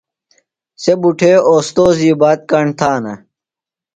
سےۡ بُٹھے اوستوذی بات کاݨ تھانہ۔